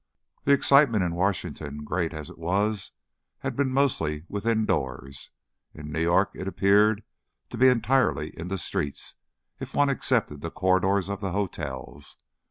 The excitement in Washington, great as it was, had been mostly within doors; in New York it appeared to be entirely in the streets, if one excepted the corridors of the hotels.